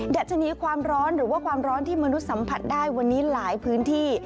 ดัชนีความร้อนหรือว่าความร้อนที่มนุษย์สัมผัสได้วันนี้หลายพื้นที่